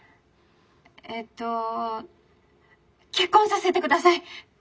えっと結婚させてください。